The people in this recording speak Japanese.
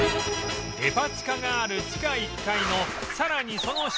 デパ地下がある地下１階のさらにその下に厨房が